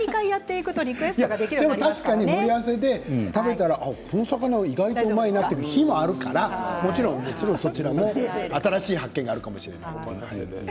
確かに盛り合わせで食べたらこの魚、意外とうまいなという日もあるからもちろん、そちらも新発見があるかもしれない。